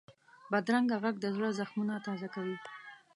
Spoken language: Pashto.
بدرنګه غږ د زړه زخمونه تازه کوي